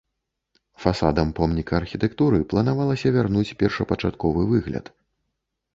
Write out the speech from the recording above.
Фасадам помніка архітэктуры планавалася вярнуць першапачатковы выгляд.